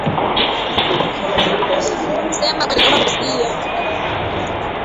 Sema bwana naomba kukusikia